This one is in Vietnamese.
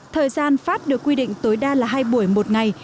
thời gian phát được quy định tối đa là hai buổi một ngày